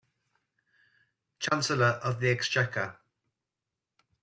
Chancellor of the Exchequer